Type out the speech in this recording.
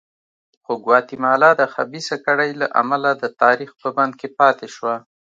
خو ګواتیمالا د خبیثه کړۍ له امله د تاریخ په بند کې پاتې شوه.